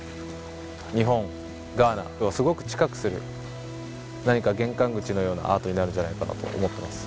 日本とガーナをすごく近くする、何か玄関口のようなアートになるんじゃないかなと思っています。